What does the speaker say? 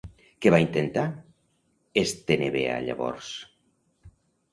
Què va intentar Estenebea llavors?